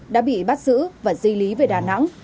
đã bị bắt giữ và di lý về đà nẵng